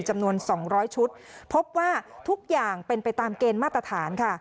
จำนวน๒๐๐ชุดพบว่าทุกอย่างเป็นไปตามเกณฑ์มาตรฐานค่ะ